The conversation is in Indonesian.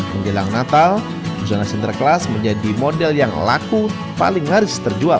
menjelang natal zona sinterklas menjadi model yang laku paling harus terjual